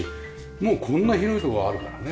もうこんな広い所があるからね。